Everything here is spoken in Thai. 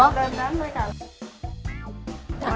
เติมน้ำดีกว่า